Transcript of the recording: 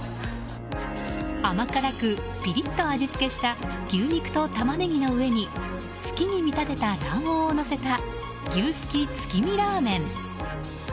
甘辛くピリッと味付けした牛肉とタマネギの上に月に見立てた卵黄をのせた牛すき月見ラーメン。